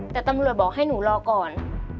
แต่ตำรวจบอกให้หนูรอก่อน